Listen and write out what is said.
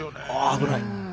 危ない。